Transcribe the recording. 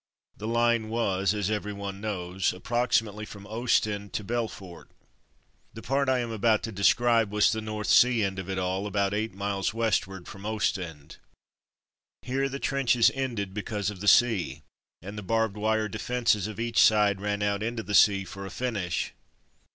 The line was, as everyone knows, approximately from Ostend to Belfort. 178 From Mud to Mufti The part lam about to describe was the North Sea end of it all, about eight miles westward from Ostend. Here the, trenches ended because of the sea, and the barbed wire defences of each side ran out into the sea for a finish.